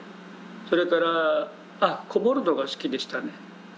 それからあっ籠もるのが好きでしたね。